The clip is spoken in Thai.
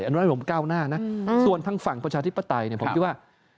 เป็นฝ่ายอนุญาโนมก้าวหน้านะส่วนทางฝั่งประชาธิปไตยเนี่ยผมคิดว่า